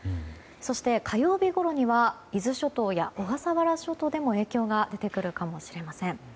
そして、火曜日ごろには伊豆諸島や小笠原諸島でも影響が出てくるかもしれません。